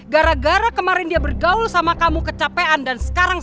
gara gara kemarin dia bergaul sama kamu kecapean dan sekarang